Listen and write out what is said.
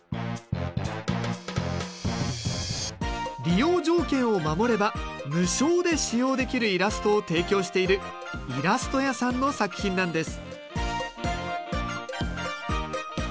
利用条件を守れば無償で使用できるイラストを提供しているいらすとやさんの作品なんです。